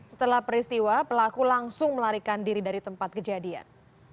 setelah peristiwa pelaku langsung melarikan diri dari tempat kejadian